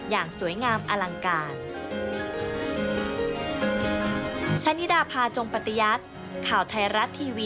อย่างสวยงามอลังการ